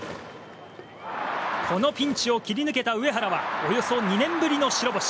このピンチを切り抜けた上原はおよそ２年ぶりの白星。